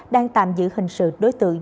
đang tạm giữ hình sự đối tượng